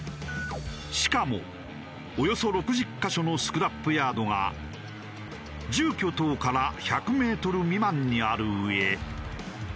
しかもおよそ６０カ所のスクラップヤードが住居等から１００メートル未満にあるうえ。